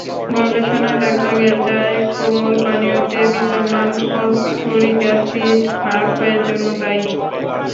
গবেষণায় দেখা যায়, কোমল পানীয়তে বিদ্যমান ফসফরিক অ্যাসিড হাড় ক্ষয়ের জন্য দায়ী।